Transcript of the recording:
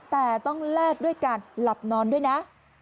แต่ต้องแลกด้วยการหลับนอนด้วยนะ